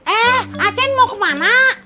eh achen mau kemana